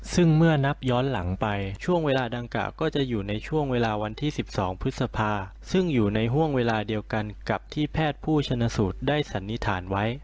ซึ่งเมื่อนับย้อนหลังไปช่วงเวลาดังกะก็จะอยู่ในช่วงเวลาวันที่๑๒พฤษภาซึ่งอยู่ในห่วงเวลาเดียวกันกับที่แพทย์ผู้ชนะสูตรได้สันนิษฐานไว้